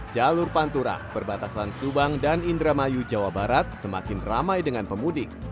jalur pantura perbatasan subang dan indramayu jawa barat semakin ramai dengan pemudik